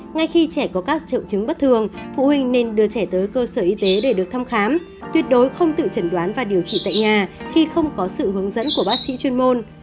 ngay khi trẻ có các triệu chứng bất thường phụ huynh nên đưa trẻ tới cơ sở y tế để được thăm khám tuyệt đối không tự chẩn đoán và điều trị tại nhà khi không có sự hướng dẫn của bác sĩ chuyên môn